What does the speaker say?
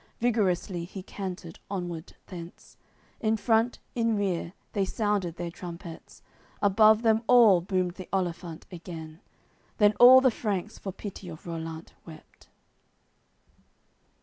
Vigorously he cantered onward thence. In front, in rear, they sounded their trumpets, Above them all boomed the olifant again. Then all the Franks for pity of Rollant wept.